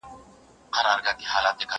زه به سبا کتابتوننۍ سره وخت تېره کړم!؟